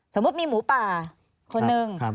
สมมุติมีหมูป่าคนนึง